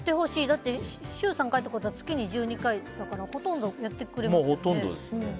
だって、週３回だと月に１２回だからほとんどやってくれますよね。